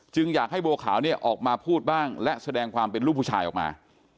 อยากให้บัวขาวเนี่ยออกมาพูดบ้างและแสดงความเป็นลูกผู้ชายออกมา